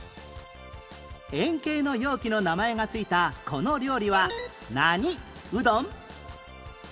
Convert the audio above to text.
円形の容器の名前が付いたこの料理は何うどん？